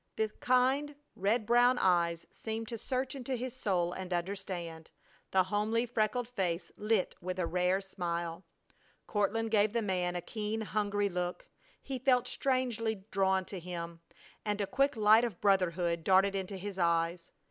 The kind, red brown eyes seemed to search into his soul and understand. The homely, freckled face lit with a rare smile. Courtland gave the man a keen, hungry look. He felt strangely drawn to him and a quick light of brotherhood darted into his eyes.